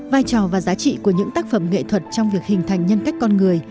vai trò và giá trị của những tác phẩm nghệ thuật trong việc hình thành nhân cách con người